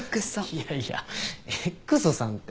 いやいやＸさんって。